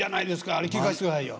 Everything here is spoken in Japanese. あれ聞かせてくださいよ。